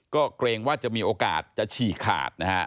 ก็เกรงว่าจะมีโอกาสจะฉี่ขาดนะฮะ